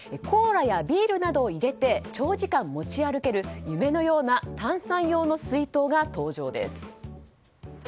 コーラやビールなどを入れて長時間持ち歩ける夢のような炭酸用の水筒が登場です。